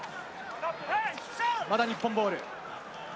まだ日本ボール。